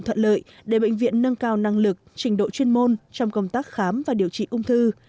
thuận lợi để bệnh viện nâng cao năng lực trình độ chuyên môn trong công tác khám và điều trị ung thư